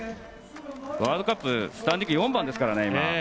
ワールドカップスターティング４番ですからね。